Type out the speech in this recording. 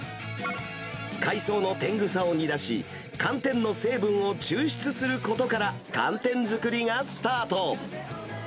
海藻の天草を煮出し、寒天の成分を抽出することから、寒天作りがスタート。